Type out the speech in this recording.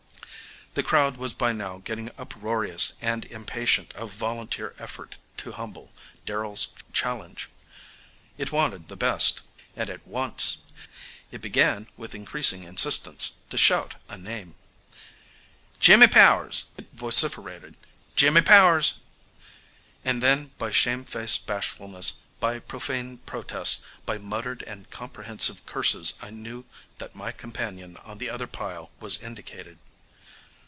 The crowd was by now getting uproarious and impatient of volunteer effort to humble Darrell's challenge. It wanted the best, and at once. It began, with increasing insistence, to shout a name. "Jimmy Powers!" it vociferated, "Jimmy Powers." And then by shamefaced bashfulness, by profane protest, by muttered and comprehensive curses I knew that my companion on the other pile was indicated.